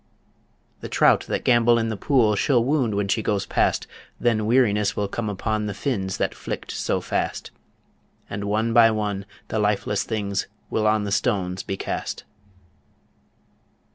The trout that gambol in the pool She'll wound when she goes past; Then weariness will come upon The fins that flicked so fast; And one by one the lifeless things Will on the stones be cast.